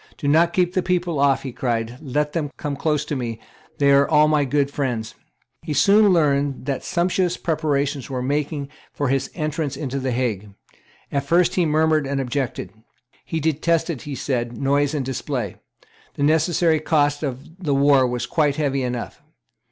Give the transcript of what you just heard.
"Do not keep the people off;" he cried: "let them come close to me; they are all my good friends." He soon learned that sumptuous preparations were making for his entrance into the Hague. At first he murmured and objected. He detested, he said, noise and display. The necessary cost of the war was quite heavy enough.